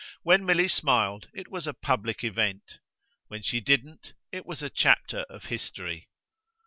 When Milly smiled it was a public event when she didn't it was a chapter of history.